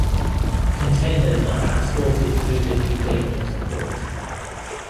Containers are transported through the new Damietta Port.